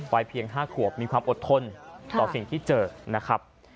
วัยเพียง๕ขวบมีความอดทนต่อสิ่งที่เจอนะครับ